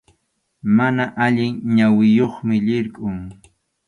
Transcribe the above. Mana allin ñawiyuqmi, lirqʼum.